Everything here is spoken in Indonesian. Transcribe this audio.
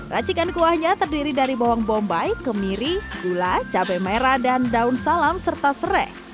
racikan kuahnya terdiri dari bawang bombay kemiri gula cabai merah dan daun salam serta serai